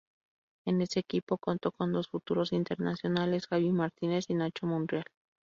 En ese equipo contó con dos futuros internacionales: Javi Martínez y Nacho Monreal.